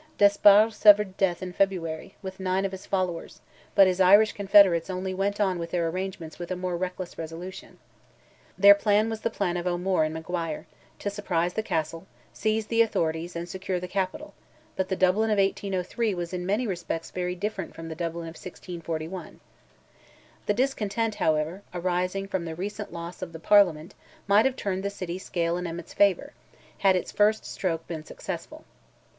Despard suffered death in February, with nine of his followers, but his Irish confederates only went on with their arrangements with a more reckless resolution. Their plan was the plan of O'Moore and McGuire, to surprise the Castle, seize the authorities and secure the capital; but the Dublin of 1803 was in many respects very different from the Dublin of 1641. The discontent, however, arising from the recent loss of the Parliament might have turned the city scale in Emmet's favour, had its first stroke been successful.